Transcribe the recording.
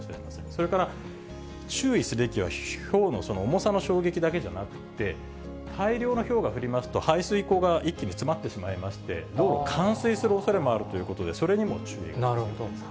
それから注意すべきは、ひょうの重さの衝撃だけじゃなくて、大量のひょうが降りますと排水口が一気に詰まってしまいまして、もう冠水するおそれもあるということで、それにも注意が必要です。